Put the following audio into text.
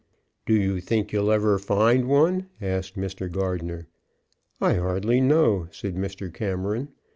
"Do you think you'll ever find one?" asked Mr. Gardner. "I hardly know," said Mr. Cameron.